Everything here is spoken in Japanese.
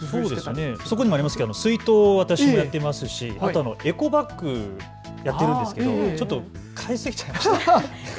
そこにもありますけど水筒、私やってますし、あと、エコバッグやっているんですけど、ちょっと買い過ぎちゃいました。